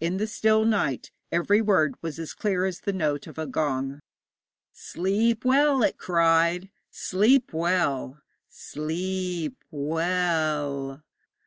In the still night every word was as clear as the note of a gong. 'Sleep well,' it cried 'sleep well sle e ep we l l.'